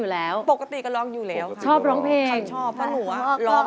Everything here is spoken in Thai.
ให้มันรู้ซะบ้าง